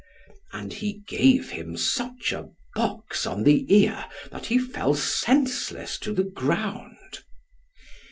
And he gave him such a box on the ear, that he fell senseless to the ground.